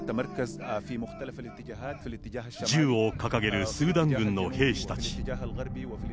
銃を掲げるスーダン軍の兵士たち。